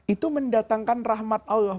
itu mendatangkan rahmat allah